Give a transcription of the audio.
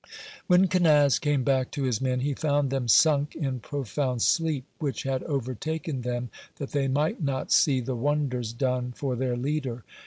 (18) When Kenaz came back to his men, he found them sunk in profound sleep, which had overtaken them that they might not see the wonders done for their leader.